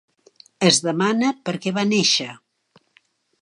Es demana per què va néixer.